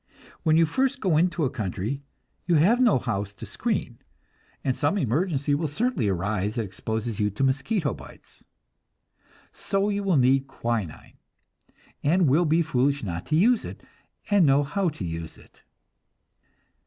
When you first go into a country, you have no house to screen, and some emergency will certainly arise that exposes you to mosquito bites. So you will need quinine, and will be foolish not to use it, and know how to use it.